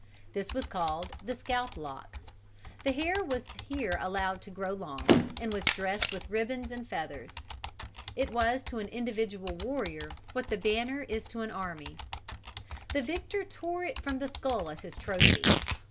This was called the scalp lock. The hair was here allowed to grow long, and was dressed with ribbons and feathers. It was to an individual warrior what the banner is to an army. The victor tore it from the skull as his trophy.